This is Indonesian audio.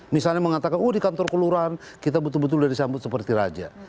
misalnya mengatakan di kantor kelurahan kita betul betul udah disambut seperti rakyat